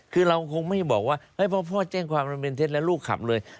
คือเราคงไม่บอกว่าพอพ่อแจ้งความมันเป็นเท็จแล้วลูกขับเลย